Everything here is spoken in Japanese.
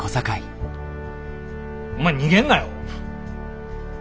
お前逃げんなよ！